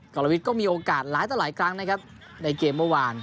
กรวิทย์ก็มีโอกาสหลายต่อหลายครั้งนะครับในเกมเมื่อวาน